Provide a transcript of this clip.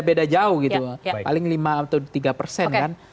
beda jauh gitu paling lima atau tiga persen kan